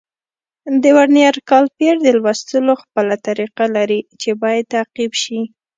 د ورنیز کالیپر د لوستلو خپله طریقه لري چې باید تعقیب شي.